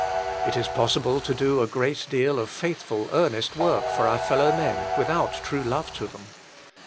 It is possible to do a great deal of faithful, earnest work for our fellowmen without true love to them.